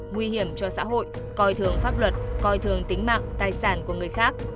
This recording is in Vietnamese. nguy hiểm cho xã hội coi thường pháp luật coi thường tính mạng tài sản của người khác